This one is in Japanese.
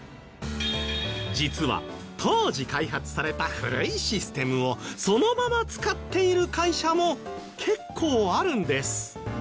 実は当時開発された古いシステムをそのまま使っている会社も結構あるんです。